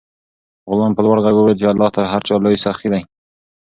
غلام په لوړ غږ وویل چې الله تر هر چا لوی سخي دی.